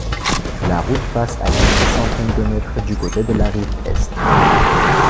La route passe à quelques centaines de mètres du côté de la rive est.